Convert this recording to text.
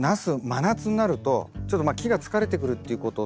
真夏になるとちょっと木が疲れてくるっていうことと。